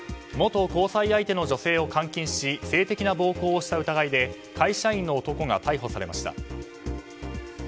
元交際相手の女性を監禁し性的な暴行をした疑いで会社員の男が逮捕されました。